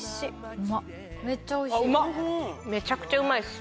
うまっめちゃくちゃうまいっす。